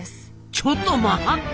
ちょっと待った！